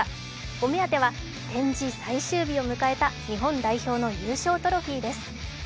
お目当ては展示最終日を迎えた日本代表の優勝トロフィーです。